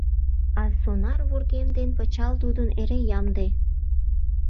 А сонар вургем ден пычал тудын эре ямде.